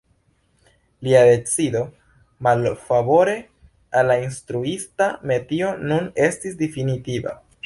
Lia decido malfavore al la instruista metio nun estis definitiva.